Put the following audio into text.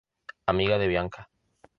Amiga de Bianca.